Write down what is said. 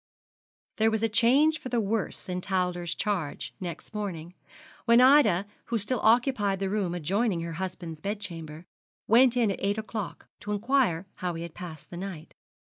There was a change for the worse in Towler's charge next morning, when Ida, who still occupied the room adjoining her husband's bedchamber, went in at eight o'clock to inquire how he had passed the night.